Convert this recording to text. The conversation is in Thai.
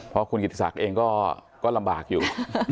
เพราะคุณกิติศักดิ์เองก็ลำบากอยู่